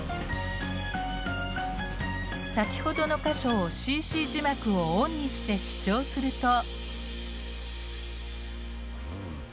先ほどの箇所をＣＣ字幕をオンにして視聴すると。